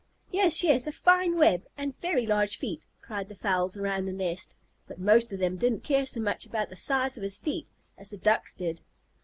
"Yes, yes," "A fine web," and "Very large feet," cried the fowls around the nest, but most of them didn't care so much about the size of his feet as the Ducks did.